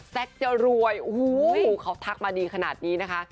จะรวยโอ้โหเขาทักมาดีขนาดนี้นะคะ